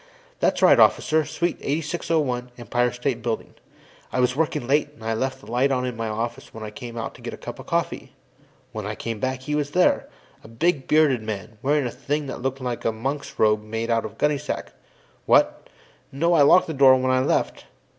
"That's right, Officer; Suite 8601, Empire State Building. I was working late, and I left the lights on in my office when I went out to get a cup of coffee. When I came back, he was here a big, bearded man, wearing a thing that looked like a monk's robe made out of gunny sack. What? No, I locked the door when I left.